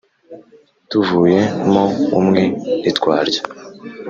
Tuvuye mo umwe ntitwarya